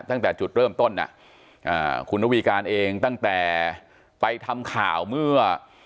ตั้งแต่จุดเริ่มต้นคุณระวีการเองตั้งแต่ไปทำข่าวเมื่อ